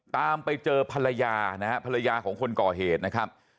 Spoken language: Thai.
ตามไปเจอภรรยานะฮะภรรยาของคนก่อเหตุนะครับ